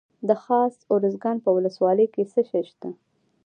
د خاص ارزګان په ولسوالۍ کې څه شی شته؟